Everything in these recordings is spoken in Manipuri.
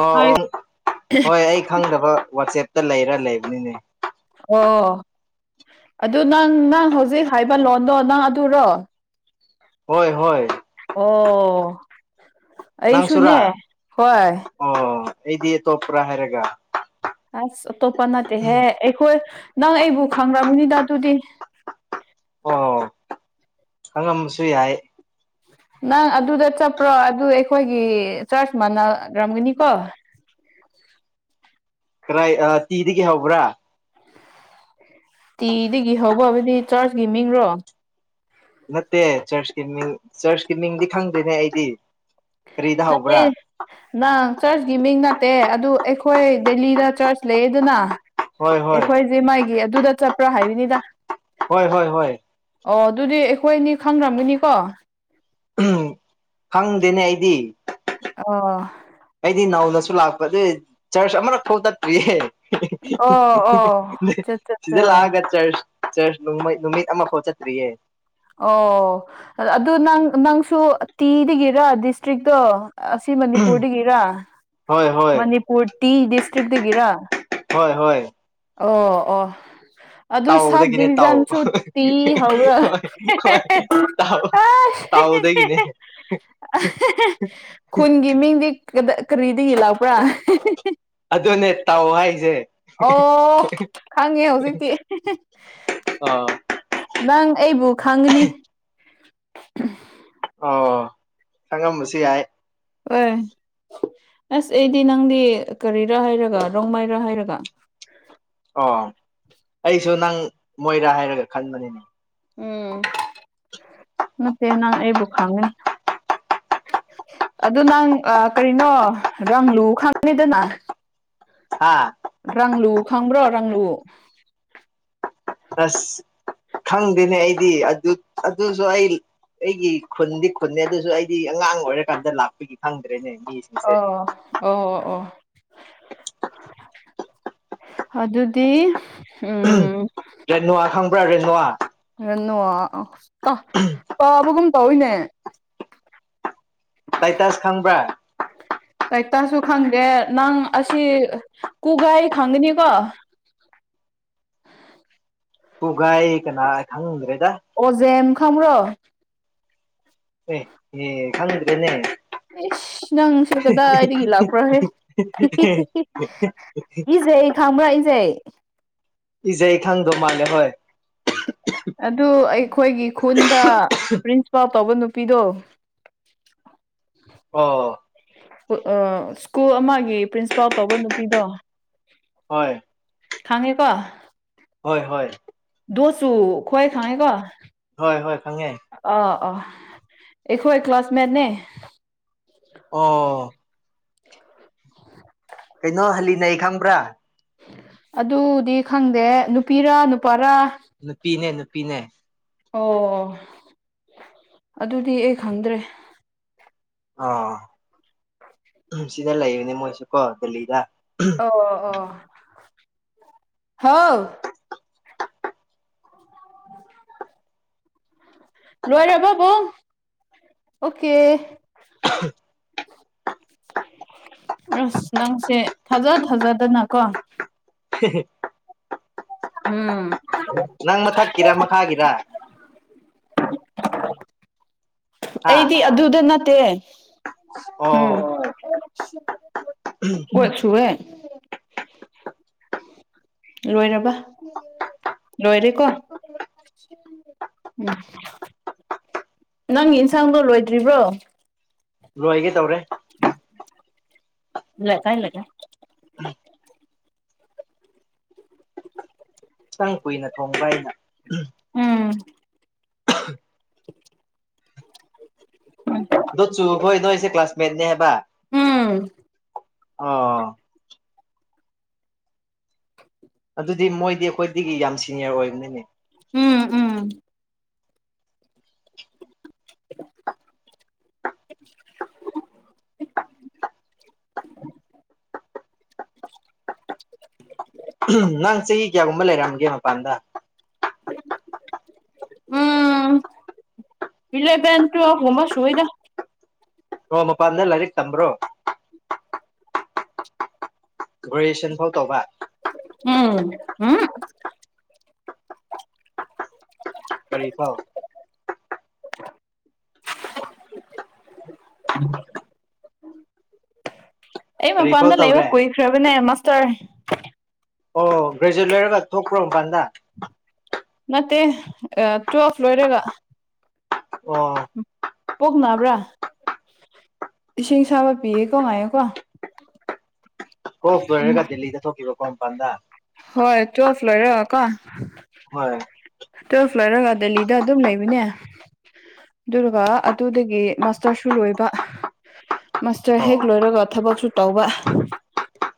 ꯑꯣ ꯍꯥꯏ ꯑꯣ ꯍꯣꯏ ꯑꯩ ꯈꯪꯗꯕ ꯋꯥꯆꯦꯞꯇ ꯂꯩꯔ ꯂꯩꯕꯅꯤꯅꯦ ꯑꯣ ꯑꯗꯨ ꯅꯪ ꯅꯪ ꯍꯧꯖꯤꯛ ꯍꯥꯏꯕ ꯂꯣꯟꯗꯣ ꯅꯪ ꯑꯗꯨꯔꯣ ꯍꯣꯏ ꯍꯣꯏ ꯑꯣ ꯑꯩꯁꯨꯅꯦ ꯅꯪꯁꯨꯔꯥ ꯍꯣꯏ ꯑꯣ ꯑꯩꯗꯤ ꯑꯇꯣꯞꯄ꯭ꯔꯥ ꯍꯥꯏꯔꯒ ꯑꯁ ꯑꯇꯣꯞꯄ ꯅꯠꯇꯦꯍꯦ ꯑꯩꯈꯣꯏ ꯅꯪ ꯑꯩꯕꯨ ꯈꯪ꯭ꯔꯕꯅꯤꯗ ꯑꯗꯨꯗꯤ ꯑꯣ ꯑꯉꯝꯕꯁꯨ ꯌꯥꯏ ꯅꯪ ꯑꯗꯨꯗ ꯆꯠꯄ꯭ꯔꯣ ꯑꯗꯨ ꯑꯩꯈꯣꯏꯒꯤ ꯆꯔꯆ ꯃꯥꯟꯅꯈ꯭ꯔꯝꯒꯅꯤꯀꯣ ꯀꯔꯥꯏ ꯇꯤꯗꯒꯤ ꯍꯧꯕ꯭ꯔꯥ ꯇꯤꯗꯒꯤ ꯍꯧꯕ ꯍꯥꯏꯕꯗꯤ ꯆꯥꯔꯁꯀꯤ ꯃꯤꯡꯔꯣ ꯅꯠꯇꯦ ꯆꯔꯁꯀꯤ ꯃꯤꯡ ꯆꯔꯁꯀꯤ ꯃꯤꯡꯗꯤ ꯈꯪꯗꯦꯅꯦ ꯑꯩꯗꯤ ꯀꯔꯤꯗ ꯅꯠꯇꯦ ꯍꯧꯕ꯭ꯔꯥ ꯅꯪ ꯆꯔꯁꯀꯤ ꯃꯤꯡ ꯅꯠꯇꯦ ꯑꯗꯨ ꯑꯩꯈꯣꯏ ꯗꯦꯂꯤꯗ ꯆꯔꯁ ꯂꯩꯌꯦꯗꯅ ꯍꯣꯏ ꯍꯣꯏ ꯑꯩꯈꯣꯏꯁꯦ ꯃꯥꯒꯤ ꯑꯗꯨꯗ ꯆꯠꯄ꯭ꯔꯥ ꯍꯥꯏꯕꯅꯤꯗ ꯍꯣꯏ ꯍꯣꯏ ꯍꯣꯏ ꯑꯣ ꯑꯗꯨꯗꯤ ꯑꯩꯈꯣꯏ ꯑꯅꯤ ꯈꯪꯔꯝꯒꯅꯤꯀꯣ ꯎꯝ ꯈꯪꯗꯦꯅꯦ ꯑꯩꯗꯤ ꯑꯣ ꯑꯩꯗꯤ ꯅꯧꯅꯁꯨ ꯂꯥꯛꯄꯅꯦ ꯆꯔꯁ ꯑꯃꯔꯛ ꯐꯥꯎ ꯆꯠꯇ꯭ꯔꯤꯌꯦ ꯑꯣ ꯑꯣ ꯆꯠ ꯆꯠ ꯁꯤꯗ ꯆꯥ ꯂꯥꯛꯑꯒ ꯆꯔꯁ ꯆꯔꯁ ꯅꯣꯡꯃꯩ ꯅꯨꯃꯤꯠ ꯑꯃꯐꯥꯎ ꯆꯠꯇ꯭ꯔꯤꯌꯦ ꯑꯣ ꯑꯗꯨ ꯅꯪ ꯅꯪꯁꯨ ꯇꯤꯗꯒꯤꯔ ꯗꯤꯁꯇ꯭ꯔꯤꯛꯇꯣ ꯑꯁ ꯃꯅꯤꯄꯨꯔꯗꯒꯤꯔꯥ ꯍꯣꯏ ꯍꯣꯏ ꯃꯅꯤꯄꯨꯔ ꯇꯤ ꯗꯤꯁꯇ꯭ꯔꯤꯛꯗꯒꯤꯔꯥ ꯍꯣꯏ ꯍꯣꯏ ꯑꯣ ꯑꯣ ꯑꯗꯨ ꯁꯕ ꯇꯥꯎꯗꯒꯤꯅꯦ ꯇꯥꯎ ꯗꯤꯕꯤꯖꯟꯁꯨ ꯇꯤ ꯍꯧꯔ ꯍꯣꯏ ꯍꯣꯏ ꯇꯥꯎ ꯑꯁ ꯇꯥꯎꯗꯒꯤꯅꯦ ꯈꯨꯟꯒꯤ ꯃꯤꯡꯗꯤ ꯀꯔꯤꯗꯒꯤ ꯂꯥꯛꯄ꯭ꯔꯥ ꯑꯗꯨꯅꯦ ꯇꯥꯎ ꯍꯥꯏꯁꯦ ꯑꯣ ꯈꯪꯉꯦ ꯍꯧꯖꯤꯛꯇꯤ ꯑꯣ ꯅꯪ ꯑꯩꯕꯨ ꯈꯪꯉꯅꯤ ꯑꯣ ꯈꯪꯉꯝꯕꯁꯨ ꯌꯥꯏ ꯍꯣꯏ ꯑꯁ ꯑꯩꯗꯤ ꯅꯪꯗꯤ ꯀꯔꯤꯔꯥ ꯍꯥꯏꯔꯒ ꯔꯣꯡꯃꯩꯏꯔ ꯍꯥꯏꯔꯒ ꯑꯣ ꯑꯩꯁꯨ ꯅꯪ ꯃꯣꯏꯔꯥ ꯍꯥꯏꯔꯒ ꯈꯟꯕꯅꯤꯅꯦ ꯎꯝ ꯅꯠꯇꯦ ꯅꯪ ꯑꯩꯕꯨ ꯈꯪꯒꯅꯤ ꯑꯗꯨ ꯅꯪ ꯀꯔꯤꯅꯣ ꯔꯥꯡ ꯂꯨ ꯈꯪꯉꯤꯗꯅ [unintelligible] ꯍꯥꯥ ꯔꯪꯂꯨ ꯈꯪꯕ꯭ꯔꯣ ꯔꯪꯂꯨ ꯑꯁ ꯈꯪꯗꯦꯅꯦ ꯑꯩꯗꯤ ꯑꯗꯨ ꯑꯗꯨꯁꯨ ꯑꯩ ꯑꯩꯒꯤ ꯈꯨꯟꯗꯤ ꯈꯨꯟꯅꯦ ꯑꯗꯨꯁꯨ ꯑꯩꯗꯤ ꯑꯉꯥꯡ ꯑꯣꯏꯔꯀꯥꯟꯗ ꯂꯥꯛꯄꯒꯤ ꯈꯪꯗ꯭ꯔꯦꯅꯦ ꯃꯤꯁꯦ ꯑꯣ ꯑꯣ ꯑꯣ ꯑꯗꯨꯗꯤ ꯎꯝ ꯔꯦꯅꯨꯋꯥ ꯈꯪꯕ꯭ꯔꯥ ꯔꯦꯅꯨꯋꯥ ꯔꯦꯅꯣ ꯇ ꯄꯥꯕꯒꯨꯝ ꯇꯧꯏꯅꯦ ꯇꯥꯏꯇꯁ ꯈꯪꯕ꯭ꯔꯥ ꯇꯩꯏꯇꯥꯁꯁꯨ ꯈꯪꯗꯦ ꯅꯪ ꯑꯁꯤ ꯀꯨꯒꯥꯏ ꯈꯪꯒꯅꯤꯀꯣ ꯀꯨꯒꯥꯏ ꯀꯅꯥ ꯈꯪꯗ꯭ꯔꯦꯗ ꯑꯣꯖꯦꯝ ꯈꯪꯕꯔꯣ ꯑꯦ ꯑꯦ ꯈꯪꯗꯔꯦꯅꯦ ꯏꯁ ꯅꯪꯁꯦ ꯀꯗꯥꯏꯗꯒꯤ ꯂꯥꯛꯄ꯭ꯔꯥꯍꯦ ꯏꯖꯩ ꯈꯥꯡꯕ꯭ꯔꯥꯏꯖꯦ ꯏꯖꯦ ꯈꯪꯗꯧ ꯃꯥꯜꯂꯦ ꯍꯣꯏ ꯑꯗꯨ ꯑꯩꯈꯣꯏꯒꯤ ꯈꯨꯟꯗ ꯄ꯭ꯔꯤꯟꯁꯤꯄꯥꯜ ꯇꯧꯕ ꯅꯨꯄꯤꯗꯣ ꯑꯣ ꯑ ꯁ꯭ꯀꯨꯜ ꯑꯃꯒꯤ ꯄ꯭ꯔꯤꯟꯁꯤꯄꯥꯜ ꯇꯧꯕ ꯅꯨꯄꯤꯗꯣ ꯍꯣꯏ ꯈꯥꯡꯉꯤꯀꯣ ꯍꯣꯏ ꯍꯣꯏ ꯗꯣꯁꯨ ꯈ꯭ꯋꯥ ꯈꯥꯉꯦ ꯀ ꯍꯣꯏ ꯍꯣꯏ ꯈꯪꯉꯦ ꯑ ꯑ ꯑꯩꯈꯣꯏ ꯀ꯭ꯂꯥꯁꯃꯦꯠꯅꯦ ꯑꯣ ꯀꯩꯅꯣ ꯍꯜꯂꯤꯅꯩ ꯈꯪꯕ꯭ꯔꯥ ꯑꯗꯨꯗꯤ ꯈꯪꯗꯦ ꯅꯨꯄꯤꯔ ꯅꯨꯄꯥꯔꯥ ꯅꯨꯄꯤꯅꯦ ꯅꯨꯄꯤꯅꯦ ꯑꯣ ꯑꯗꯨꯗꯤ ꯑꯩ ꯈꯪꯗ꯭ꯔꯦ ꯑ ꯁꯤꯗ ꯂꯩꯕꯅꯦ ꯃꯣꯏꯁꯨ ꯀꯣ ꯗꯦꯜꯂꯤꯗ ꯑꯣ ꯑꯣ ꯍꯥꯎ ꯂꯣꯏꯔꯕꯕꯣ ꯑꯣꯀꯦ ꯑꯁ ꯅꯪꯁꯦ ꯊꯥꯖ ꯊꯥꯖꯗꯅ ꯀꯣ [unintelligible] ꯎꯝ ꯅꯪ ꯃꯊꯛꯀꯤꯔ ꯃꯈꯥꯒꯤꯔ ꯍꯥ ꯑꯩꯗꯤ ꯑꯗꯨꯗ ꯅꯠꯇꯦ ꯎꯝ ꯑꯣ ꯀꯣꯠ ꯆꯨꯍꯦ ꯂꯣꯏꯔꯕ ꯂꯣꯏꯔꯦꯀꯣ ꯎꯝ ꯅꯪꯒꯤ ꯏꯟꯁꯥꯡꯗꯣ ꯂꯣꯏꯗ꯭ꯔꯤꯕ꯭ꯔꯣ ꯂꯣꯏꯒꯇꯧꯔꯦ [unintelligible] ꯊꯣꯏꯟ ꯀꯨꯏꯅ ꯊꯣꯡꯕ ꯑꯩꯅ ꯎꯝ [unintelligible] ꯑꯗꯣ ꯆꯨꯈꯣꯏ ꯅꯣ ꯑꯩꯁꯦ ꯀ꯭ꯂꯥꯁꯃꯦꯠꯅꯦ ꯍꯥꯏꯕ ꯎꯝ ꯑꯥ ꯑꯗꯨꯗꯤ ꯃꯣꯏꯗꯤ ꯑꯩꯈꯣꯏꯗꯒꯤ ꯌꯥꯝ ꯁꯤꯅꯤꯌꯔ ꯑꯣꯏꯕꯅꯤꯅꯦ ꯎꯝ ꯎꯝ [unintelligible] [unintelligible] ꯅꯪ ꯆꯍꯤ ꯀꯌꯥꯒꯨꯝꯕ ꯂꯩꯔꯝꯒꯦ ꯃꯄꯥꯟꯗ ꯎꯝ ꯑ ꯏꯂꯕꯦꯟ ꯇ꯭ꯋꯦꯜ ꯍꯕꯁꯨꯣꯏꯗ ꯑꯣ ꯃꯄꯥꯟꯗ ꯂꯥꯏꯔꯤꯛ ꯇꯝꯕ꯭ꯔꯣ ꯒ꯭ꯔꯦꯖꯨꯁꯟ ꯐꯥꯎ ꯇꯧꯕ [unintelligible] ꯀꯔꯤ ꯐꯥꯎ ꯑꯩ ꯀꯔꯤ ꯐꯥꯎ ꯃꯄꯥꯟꯗ ꯂꯩꯕ ꯇꯧꯔꯦ ꯀꯨꯏꯈ꯭ꯔꯕꯅꯦ ꯃꯥꯁꯇꯔ ꯑꯣ ꯒ꯭ꯔꯦꯖꯨꯑꯦꯠ ꯂꯣꯢꯔꯒ ꯊꯣꯛꯄ꯭ꯔꯣ ꯃꯄꯥꯟꯗ ꯅꯠꯇꯦ ꯇ꯭ꯋꯦꯜꯐ ꯂꯣꯏꯔꯒ ꯑꯣ ꯄꯣꯛꯅꯥꯕ꯭ꯔꯥ ꯏꯁꯤꯡ ꯁꯥꯥꯕ ꯄꯤꯌꯦꯀꯣ ꯉꯥꯏꯌꯣꯀꯣ ꯑꯣꯐ ꯂꯣꯏꯔꯒ ꯗꯦꯜꯂꯤꯗ ꯊꯣꯛꯈꯤꯕ ꯀꯣ ꯃꯄꯥꯟꯗ ꯍꯣꯏ ꯇ꯭ꯋꯦꯜꯐ ꯂꯣꯏꯔꯒꯀꯣ ꯍꯣꯏ ꯇ꯭ꯋꯦꯜꯐ ꯂꯣꯏꯔꯒ ꯗꯦꯜꯂꯤꯗ ꯑꯗꯨꯝ ꯂꯩꯕꯅꯦ ꯑꯗꯨꯒ ꯑꯗꯨꯗꯒꯤ ꯃꯥꯁꯇꯔꯁꯨ ꯂꯣꯏꯕ ꯃꯥꯁꯇꯔ ꯑꯣ ꯍꯦꯛ ꯂꯣꯏꯔꯒ ꯊꯕꯛꯁꯨ ꯇꯧꯕ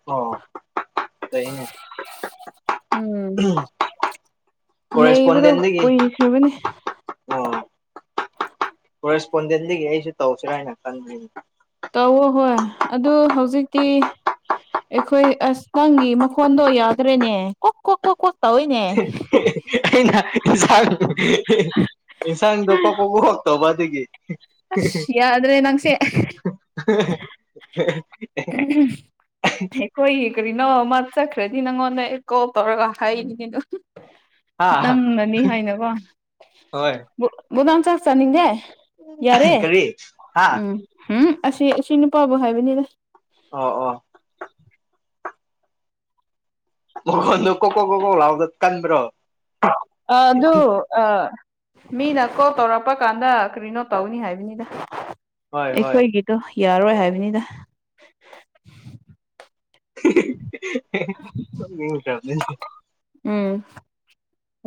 ꯑꯣ ꯂꯩꯅꯦ ꯎꯝ ꯂꯩꯕꯗꯣ ꯀꯣꯔꯦꯁꯄꯣꯟꯗꯦꯟꯗꯒꯤ ꯀꯨꯏ ꯈ꯭ꯔꯕꯅꯦ ꯀꯣꯔꯦꯁꯄꯣꯟꯗꯦꯟꯂꯤꯒꯤ ꯑꯩꯁꯨ ꯇꯧꯁꯤꯔꯥ ꯍꯥꯏꯅ ꯈꯟꯕꯅꯤꯅꯦ ꯇꯧꯋꯣ ꯍꯣꯏ ꯑꯗꯨ ꯍꯧꯖꯤꯛꯇꯤ ꯑꯩꯈꯣꯏ ꯑꯁ ꯅꯪꯒꯤ ꯃꯈꯣꯟꯗꯣ ꯌꯥꯗ꯭ꯔꯦꯅꯦ ꯀꯣꯛ ꯀꯣꯛ ꯀꯣꯛ ꯀꯣꯛ ꯇꯧꯋꯤꯅꯦ ꯑꯩꯅ ꯏꯟꯁꯥꯡ ꯏꯟꯁꯥꯡꯗꯣ ꯀꯣꯛ ꯀꯣꯛ ꯀꯣꯛ ꯀꯣꯛ ꯇꯧꯕ ꯑꯗꯨꯒꯤ ꯑꯁ ꯌꯥꯗ꯭ꯔꯦ ꯅꯪꯁꯦ [unintelligible] [unintelligible] ꯑꯩꯈꯣꯏꯒꯤ ꯀꯔꯤꯅꯣ ꯑꯃ ꯆꯠꯈ꯭ꯔꯗꯤ ꯅꯪꯉꯣꯟꯗ ꯑꯩ ꯀꯣꯜ ꯇꯧꯔꯒ ꯍꯥꯏꯅꯤꯅꯦ ꯑꯗꯨ ꯍꯥ ꯅꯪꯅꯅꯤ ꯍꯥꯏꯅꯀꯣ ꯍꯣꯏ ꯃꯨ ꯃꯨꯛꯗꯥꯡ ꯆꯥꯛ ꯆꯥꯅꯤꯡꯗꯦ ꯌꯥꯔꯦ ꯀꯔꯤ ꯍꯥ ꯎꯝ ꯍꯨꯝ ꯑꯁꯤ ꯑꯁꯤ ꯅꯨꯄꯥꯕꯨ ꯍꯥꯏꯕꯅꯤꯗ ꯑꯣ ꯑꯣ ꯃꯈꯣꯟꯗꯣ ꯀꯣꯀꯣꯛ ꯀꯣꯀꯣꯛ ꯂꯥꯎꯗꯣ ꯀꯟꯕ꯭ꯔꯣ ꯑ ꯑꯗꯨ ꯑ ꯃꯤꯅ ꯀꯣꯜ ꯇꯧꯔꯛꯄ ꯀꯥꯟꯗ ꯀꯔꯤꯅꯣ ꯇꯧꯅꯤ ꯍꯥꯏꯕꯅꯤꯗ ꯍꯣꯏ ꯍꯣꯏ ꯑꯩꯈꯣꯏꯒꯤꯗꯣ ꯌꯥꯔꯣꯏ ꯍꯥꯏꯕꯅꯤꯗ [inaudible] ꯀꯌꯥ ꯎꯝ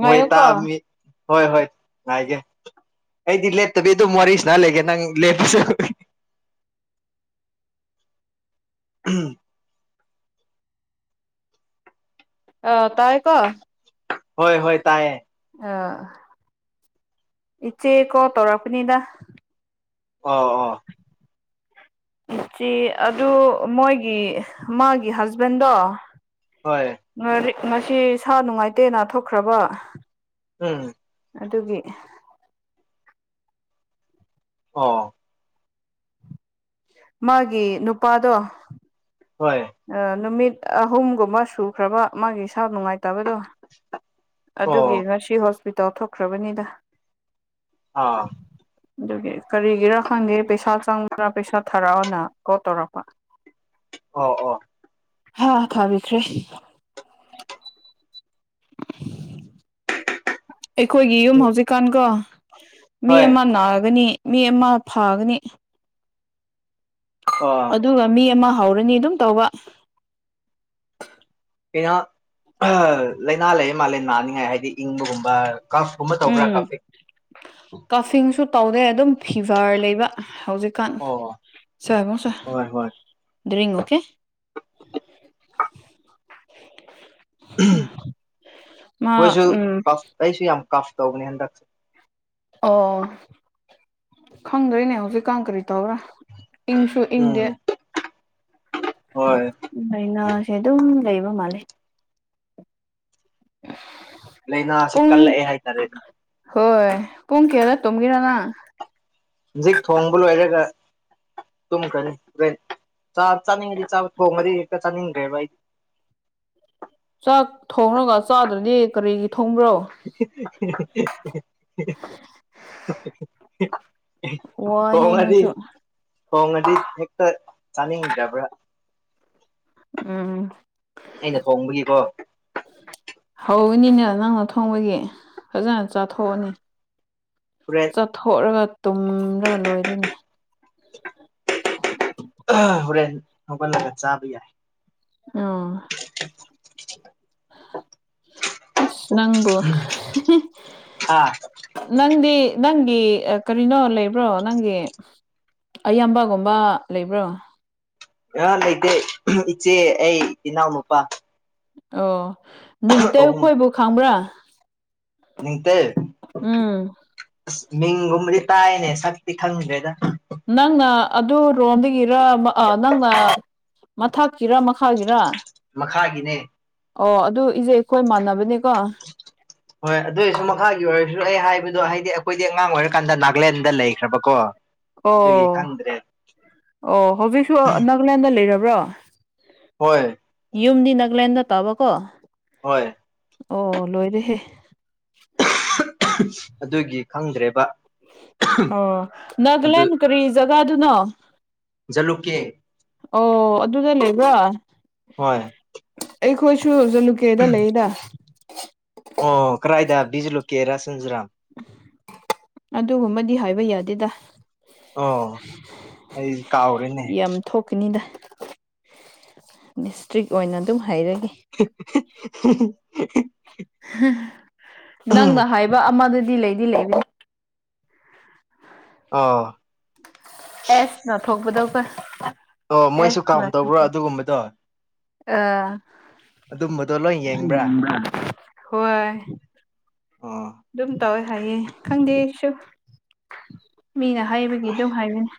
ꯉꯥꯏꯌꯣꯀꯣ ꯃꯣꯏꯇꯥꯃꯤ ꯍꯣꯏ ꯍꯣꯏ ꯉꯥꯏꯒꯦ ꯑꯩꯗꯤ ꯂꯦꯞꯇꯕꯤ ꯑꯗꯨꯝ ꯋꯥꯔꯤꯁꯤꯅ ꯂꯩꯒꯦ ꯅꯪ ꯂꯦꯞꯄꯁꯨꯦ ꯎꯝ ꯑ ꯇꯥꯏ ꯀꯣ ꯍꯣꯏ ꯍꯣꯏ ꯇꯥꯏꯌꯦ ꯑꯥ ꯏꯆꯦ ꯀꯣꯜ ꯇꯧꯔꯛꯄꯅꯤꯗ ꯑꯣ ꯑꯣ ꯏꯆꯦ ꯑꯗꯨ ꯃꯣꯏꯒꯤ ꯃꯥꯒꯤ ꯍꯁꯕꯦꯟꯗꯣ ꯍꯣꯏ ꯉꯔꯤꯛ ꯉꯁꯤ ꯁꯥ ꯅꯨꯡꯉꯥꯏꯇꯦꯅꯥ ꯊꯣꯛꯈ꯭ꯔꯕ ꯎꯝ ꯑꯗꯨꯒꯤ ꯑꯣ ꯃꯥꯒꯤ ꯅꯨꯄꯥꯗꯣ ꯍꯣꯏ ꯅꯨꯃꯤꯠ ꯑꯍꯨꯝꯒꯨꯝꯕ ꯁꯨꯈ꯭ꯔꯕ ꯃꯥꯒꯤ ꯏꯁꯥ ꯅꯨꯡꯉꯥꯏꯇꯕꯗꯣ ꯑꯗꯨꯒꯤ ꯑꯣ ꯉꯁꯤ ꯍꯣꯁꯄꯤꯇꯥꯜ ꯊꯣꯛꯈ꯭ꯔꯕꯅꯤꯗ ꯑꯥ ꯑꯗꯨꯒꯤ ꯀꯔꯤꯒꯤꯔꯥ ꯈꯪꯒꯦ ꯄꯩꯁꯥ ꯆꯪꯕ꯭ꯔꯥ ꯄꯩꯁꯥ ꯊꯥꯔꯛꯑꯣꯅ ꯀꯣꯜ ꯇꯧꯔꯛꯄ ꯑꯣ ꯑꯣ ꯍꯥ ꯈꯥꯕꯤꯈ꯭꯭ꯔꯦ ꯑꯩꯈꯣꯏꯒꯤ ꯌꯨꯝ ꯎꯝ ꯍꯧꯖꯤꯛꯀꯥꯟꯀꯣ ꯃꯤ ꯍꯣꯏ ꯑꯃ ꯅꯥꯒꯅꯤ ꯃꯤ ꯑꯃ ꯐꯥꯒꯅꯤ ꯑꯣ ꯑꯗꯨꯒ ꯃꯤ ꯑꯃ ꯍꯧꯔꯅꯤ ꯑꯗꯨꯝ ꯇꯧꯕ ꯑꯩꯅ ꯂꯥꯏꯅꯥ ꯂꯩꯌꯦ ꯃꯥꯂꯦ ꯅꯥꯅꯤꯡꯉꯥꯏ ꯍꯥꯏꯗꯤ ꯏꯪꯕꯒꯨꯝꯕ ꯀꯥꯐꯀꯨꯝꯕ ꯇꯧꯕ꯭ꯔꯥ ꯀꯥꯐꯤꯛ ꯀꯐꯤꯡꯁꯨ ꯇꯧꯗꯦ ꯑꯗꯨꯝ ꯐꯤꯚꯔ ꯂꯩꯕ ꯍꯧꯖꯤꯛ ꯀꯥꯟ ꯑꯣ ꯁꯦꯕꯁꯦ ꯍꯣꯏ ꯍꯣꯏ ꯗꯔꯤ ꯑꯣꯀꯦ ꯃꯥ ꯃꯣꯏꯁꯨ ꯎꯝ ꯀꯐ ꯑꯩꯁꯨ ꯌꯥꯝ ꯀꯐ ꯇꯧꯕꯅꯦ ꯍꯟꯗꯛ ꯑꯣ ꯈꯪꯗꯣꯏꯅꯦ ꯍꯧꯖꯤꯛꯀ ꯀꯔꯤ ꯇꯧꯕ꯭ꯔꯥ ꯏꯪꯁꯨ ꯏꯪꯗꯦ ꯎꯝ ꯍꯣꯏ ꯍꯥꯏꯅꯁꯦ ꯑꯗꯨꯝ ꯂꯩꯕ ꯃꯥꯜꯂꯦ [inaudible] ꯂꯥꯏꯅꯥꯁꯤ ꯄꯨꯡ ꯀꯜꯂꯛꯑꯦ ꯍꯥꯏꯇꯥꯔꯦ ꯍꯣꯏ ꯄꯨꯡ ꯀꯌꯥꯗ ꯇꯨꯝꯒꯦ ꯑꯉꯥꯡ ꯍꯧꯖꯤꯛ ꯊꯣꯡꯕ ꯂꯣꯏꯔꯒ ꯇꯨꯝꯈ꯭ꯔꯅꯤ ꯆꯥꯛ ꯆꯥꯅꯤꯡꯉꯗꯤ ꯆ ꯊꯣꯡ ꯃꯔꯤ ꯍꯦꯛꯇ ꯆꯥꯅꯤꯡꯈ꯭ꯔꯦꯕ ꯑꯩꯗꯤ ꯆꯥꯛ ꯊꯣꯡꯉꯒ ꯆꯥꯗ꯭ꯔꯅꯤ ꯀꯔꯤꯒꯤ ꯊꯣꯡꯕ꯭ꯔꯣ [inaudible] ꯋꯥꯏꯍꯦ ꯊꯣꯡꯉꯗꯤ ꯅꯣꯏꯁꯨ ꯊꯣꯡꯉꯗꯤ ꯍꯦꯛꯇ ꯆꯥꯅꯤꯡꯗꯕ꯭ꯔꯥ ꯎꯝ ꯑꯩꯅ ꯊꯣꯡꯕꯒꯤꯀꯣ ꯍꯧꯅꯤꯅꯦ ꯅꯪꯅ ꯊꯣꯡꯕꯒꯤ ꯐꯖꯅ ꯆꯥꯊꯣꯛꯑꯅꯤ [inaudible] ꯄꯨꯔꯦꯜ ꯆꯠꯊꯣꯛꯂꯒ ꯇꯨꯝꯔꯒ ꯂꯣꯏꯔꯤꯅꯤ [inaudible] ꯍꯣꯔꯦꯟ ꯍꯧꯒꯜꯂꯒ ꯆꯥꯕ ꯌꯥꯏ ꯑꯣ [inaudible] ꯎꯁ ꯅꯪꯕꯣ ꯑꯥ ꯅꯪꯗꯤ ꯅꯪꯒꯤ ꯀꯔꯤꯅꯣ ꯂꯩꯕ꯭ꯔꯣ ꯅꯪꯒꯤ ꯑꯌꯥꯝꯕꯒꯨꯝꯕ ꯂꯩꯕ꯭ꯔꯣ ꯑ ꯂꯩꯇꯦ ꯏꯆꯦ ꯑꯩ ꯏꯟꯅꯥꯎ ꯅꯨꯨꯄꯥ ꯑꯣ ꯅꯤꯡꯇ ꯑꯍꯨꯝ ꯑꯩꯈꯣꯏꯕꯨ ꯈꯪꯕ꯭ꯔꯥ ꯅꯤꯡꯇꯜ ꯎꯝ ꯑꯁ ꯃꯤꯡꯒꯨꯝꯕꯗꯤ ꯇꯥꯏꯅꯦ ꯁꯛꯇꯤ ꯈꯪꯗ꯭ꯔꯦꯗ ꯅꯪꯅ ꯑꯗꯨ ꯔꯣꯝꯗꯒꯤꯔ ꯅꯪꯅ ꯃꯊꯛꯀꯤꯔ ꯃꯈꯥꯒꯤꯔꯥ ꯃꯈꯥꯒꯤꯅꯦ ꯑꯣ ꯑꯗꯨ ꯏꯁꯦ ꯑꯩꯈꯣꯏ ꯃꯥꯟꯅꯕꯅꯤꯀꯣ ꯍꯣꯏ ꯑꯗꯨꯑꯣ ꯑꯣꯏꯁꯨ ꯃꯈꯥꯒꯤ ꯑꯣꯏꯔꯁꯨ ꯑꯩ ꯍꯥꯏꯕꯗꯣ ꯍꯥꯏꯗꯤ ꯑꯩꯈꯣꯏꯗꯤ ꯑꯉꯥꯡ ꯑꯣꯏꯔꯀꯥꯟꯗ ꯅꯥꯒꯂꯦꯟꯗ ꯂꯩꯈ꯭ꯔꯕꯀꯣ ꯑꯗꯨꯒꯤ ꯑꯣ ꯈꯪꯗ꯭ꯔꯦ ꯑꯣ ꯍꯧꯖꯤꯛꯁꯨ ꯅꯥꯒꯥꯂꯦꯟꯗ ꯂꯩꯔꯕ꯭ꯔꯣ ꯍꯣꯏ ꯌꯨꯝꯗꯤꯅ ꯅꯒ꯭ꯂꯟꯗ ꯇꯕ ꯀꯣ ꯍꯣꯏ ꯑꯣ ꯂꯣꯏꯔꯦꯍꯦ ꯑꯗꯨꯒꯤ ꯈꯪꯗ꯭ꯔꯦꯕ ꯑꯣ ꯑꯗꯨ ꯅꯥꯒꯂꯦꯟ ꯀꯔꯤ ꯖꯒꯥꯗꯨꯅꯣ ꯖꯂꯨꯀꯦ ꯑꯣ ꯑꯗꯨꯗ ꯂꯩꯕ꯭ꯔꯣ ꯍꯣꯏ ꯑꯩꯈꯣꯏꯁꯨ ꯖꯂꯨꯀꯦꯗ ꯂꯩꯌꯦꯗ ꯑꯣ ꯀ꯭ꯔꯥꯏꯗꯥ ꯕꯤꯖ ꯂꯨꯀꯦ ꯔꯥꯁ ꯁꯟꯖ ꯔꯥꯝ ꯑꯗꯨꯒꯨꯝꯕꯗꯤ ꯍꯥꯏꯕ ꯌꯥꯗꯦꯗ ꯑꯣ ꯑꯩ ꯀꯥꯎꯔꯦꯅꯦ ꯌꯥꯝ ꯊꯣꯛꯀꯅꯤꯗ ꯗꯤꯁꯇ꯭ꯔꯤꯛ ꯑꯣꯏꯅ ꯑꯗꯨꯝ ꯍꯩꯔꯒꯦ [inaudible] ꯅꯪꯅ ꯍꯥꯏꯕ ꯑꯃꯗꯨꯗꯤ ꯂꯩꯗꯤ ꯂꯩꯕꯅꯤ ꯑꯥꯎ ꯑꯦꯁ ꯅꯊꯣꯛꯄꯗꫭ ꯀꫭ ꯑꯣ ꯃꯣꯏꯁꯨ ꯀꯥꯎꯟ ꯇꯧꯕ꯭ꯔꯣ ꯑꯗꯨꯒꯨꯝꯕꯗꯣ ꯑꯥ ꯑꯗꯨꯝꯕꯗꯣ ꯂꯣꯏ ꯌꯦꯡꯕ꯭ꯔꯥ ꯍꯣꯏ ꯎꯝ ꯑꯗꯨꯝ ꯇꯧꯋꯦ ꯍꯥꯏꯌꯦ ꯈꯪꯗꯦ ꯑꯩꯁꯨ ꯃꯤꯅ ꯍꯥꯏꯕꯒꯤ ꯑꯗꯨꯝ ꯍꯥꯏꯕꯅꯦ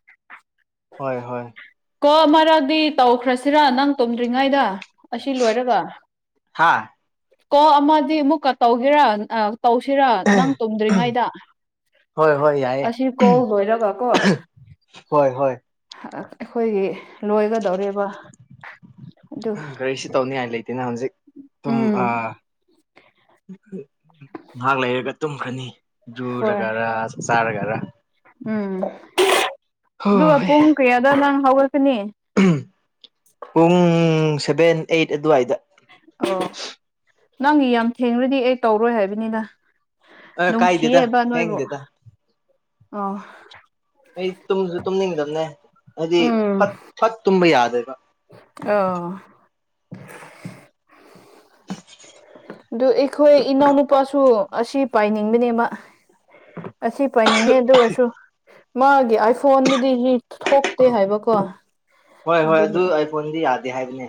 ꯍꯣꯏ ꯍꯣꯏ ꯀꯣ ꯑꯃꯔꯛꯗꯤ ꯇꯧꯈ꯭ꯔꯁꯤꯔ ꯅꯪ ꯇꯨꯝꯗ꯭ꯔꯤꯉꯩꯗ ꯑꯁꯤ ꯂꯣꯏꯔꯒ ꯍꯥꯥ ꯀꯣ ꯑꯃꯗꯤ ꯑꯃꯨꯛꯀ ꯇꯧꯖꯤꯔ ꯇꯧꯁꯤꯔ ꯅꯪ ꯇꯨꯝꯗ꯭ꯔꯤꯉꯩꯗ ꯍꯣꯏ ꯍꯣꯏ ꯌꯥꯏꯌꯦ ꯑꯁꯤ ꯀꯣꯜ ꯂꫭꯏꯔꯒ ꯀꯣ ꯍꯣꯏ ꯍꯣꯏ ꯑꯩꯈꯣꯏꯒꯤ ꯂꯣꯏꯒꯗꯧꯔꯦ ꯎꯝ ꯀꯔꯤꯁꯨ ꯇꯧꯅꯤꯉꯥꯏ ꯂꯩꯇꯦꯅ ꯍꯧꯖꯤꯛ ꯇꯨꯝꯕ ꯎꯝ ꯉꯥꯍꯥꯛ ꯂꯩꯔꯒ ꯇꯨꯝꯈꯔꯅꯤ ꯍꯣꯏ ꯖꯨꯔꯒꯥꯔ ꯆꯥꯔꯒꯔꯥ ꯎꯝ ꯑꯗꯨꯒ ꯍꯣꯏ ꯄꯨꯡ ꯀꯌꯥꯗ ꯅꯪ ꯍꯧꯒꯠꯀꯅꯤ ꯄꯨꯡ ꯁꯚꯦꯟ ꯏꯥꯠ ꯑꯗꯨꯋꯥꯏꯗ ꯑꯣ ꯅꯪꯒꯤ ꯌꯥꯝ ꯊꯦꯡꫪꯗꯤ ꯑꯩ ꯇꯧꯔꯣꯏ ꯍꯥꯏꯕꯅꯤꯗ ꯑ ꯀꯥꯏꯗꯦꯗ ꯅꯨꯡꯁꯤꯌꯦꯕ ꯅꯣꯏꯕꯨ ꯊꯦꯡꯗꯦꯗ ꯑꯣ ꯑꯩ ꯇꯨꯝꯁꯨ ꯇꯨꯝꯅꯤꯡꯗꯕꯅꯦ ꯍꯥꯏꯗꯤ ꯎꯝ ꯐꯠ ꯐꯠ ꯇꯨꯝꯕ ꯌꯥꯗꯦꯕ ꯑꯣ ꯑꯗꯨ ꯑꯩꯈꯣꯏ ꯏꯅꯥꯎꯅꯨꯄꯥꯁꯨ ꯑꯁꯤ ꯄꯥꯏꯅꯤꯡꯕꯅꯦꯃꯥ ꯑꯁꯤ ꯄꯥꯏꯅꯤꯡꯉꯦ ꯑꯗꯨ ꯑꯣꯏꯔꯁꯨ ꯃꯥꯒꯤ ꯑꯥꯏꯐꯣꯟꯗꯥꯗꯤ ꯊꯣꯛꯇꯦ ꯍꯥꯏꯕꯀꯣ ꯍꯣꯏ ꯍꯣꯏ ꯑꯗꯨꯒꯤ ꯑꯗꯨ ꯑꯥꯏ ꯐꯣꯟꯗꯤ ꯌꯥꯗꯦ ꯍꯥꯏꯕꯅꯦ